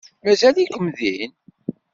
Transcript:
Mazal-ikem din?